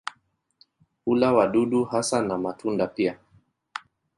Hula wadudu hasa na matunda pia.